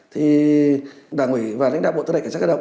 thì đảng ủy và lãnh đạo bộ tư lệnh cảnh sát cơ động